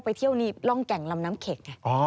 ไปเที่ยวร่องแก่งลำน้ำเข็ก